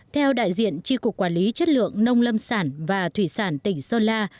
theo đại diện tri cục quản lý chất lượng nông lâm sản và thủy sản tỉnh sơn la